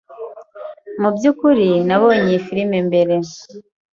Mubyukuri, Nabonye iyi firime mbere.